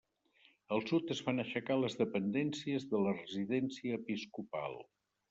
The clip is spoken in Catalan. Al sud es van aixecar les dependències de la residència episcopal.